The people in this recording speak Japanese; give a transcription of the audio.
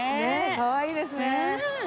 かわいいですね。